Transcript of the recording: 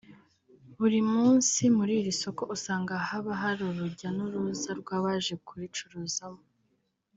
Buri munsi muri iri soko usanga haba hari urujya n’uruza rw’abaje kuricuruzamo